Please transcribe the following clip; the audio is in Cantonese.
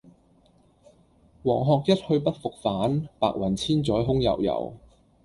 黃鶴一去不復返，白云千載空悠悠。